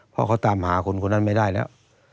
เพราะเขาตามหาคนคนนั้นไม่ได้แล้ว